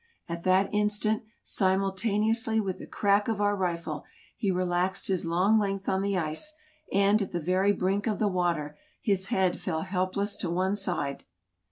At that instant, simultaneously with the crack of our rifle, he relaxed his long length on the ice, and, at the very brink of the water, his head fell helpless to one side.